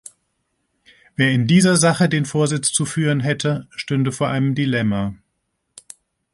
Wer in dieser Sache den Vorsitz zu führen hätte, stünde vor einem Dilemma.